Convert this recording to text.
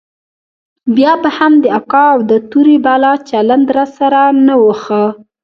بيا به هم د اکا او د تورې بلا چلند راسره نه و ښه.